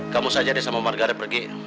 kamu saja deh sama margaret pergi